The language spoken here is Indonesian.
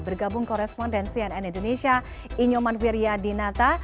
bergabung korespondensi ann indonesia i nyoman wiryadinata